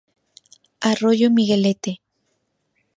Arroyo Miguelete